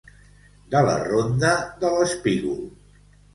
De la ronda de l'espígol.